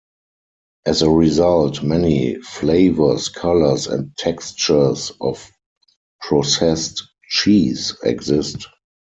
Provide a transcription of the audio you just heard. As a result, many flavors, colors, and textures of processed cheese exist.